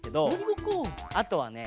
あとはね